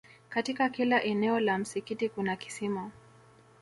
katika kila eneo la msikiti kuna kisima